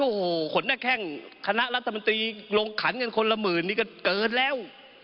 โอ้โหขนหน้าแข้งคณะรัฐมนตรีลงขันกันคนละหมื่นนี่ก็เกินแล้ว